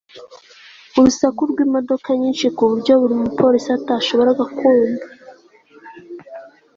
Urusaku rwimodoka nyinshi ku buryo umupolisi atashoboraga kumva